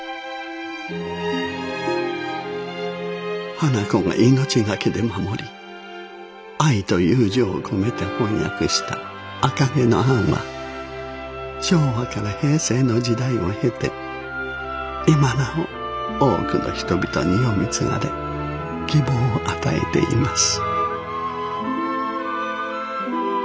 花子が命懸けで守り愛と友情を込めて翻訳した「赤毛のアン」は昭和から平成の時代を経て今なお多くの人々に読み継がれ希望を与えています。